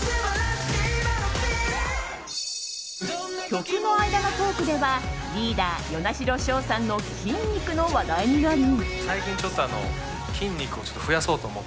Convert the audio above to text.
曲の間のトークではリーダー與那城奨さんの筋肉の話題になり。